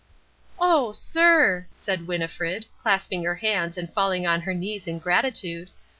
"Oh, sir," said Winnifred, clasping her hands and falling on her knees in gratitude.